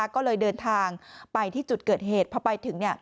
ก็เลยเดินทางไปที่จุดเกิดเหตุพอไปถึง